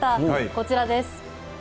こちらです。